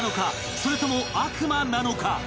それとも悪魔なのか？